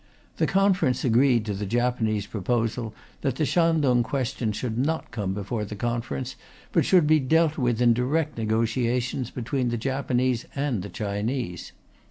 The Conference agreed to the Japanese proposal that the Shantung question should not come before the Conference, but should be dealt with in direct negotiations between the Japanese and Chinese.